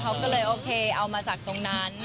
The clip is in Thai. เขาก็เลยโอเคเอามาจากตรงนั้น